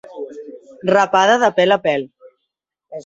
Rapada de pèl a pèl.